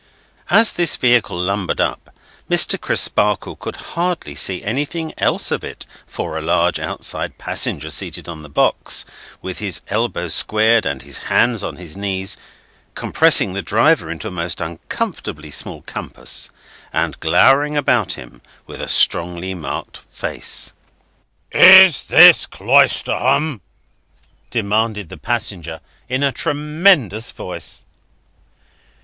As this vehicle lumbered up, Mr. Crisparkle could hardly see anything else of it for a large outside passenger seated on the box, with his elbows squared, and his hands on his knees, compressing the driver into a most uncomfortably small compass, and glowering about him with a strongly marked face. "Is this Cloisterham?" demanded the passenger, in a tremendous voice.